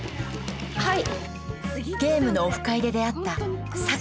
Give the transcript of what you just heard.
はい。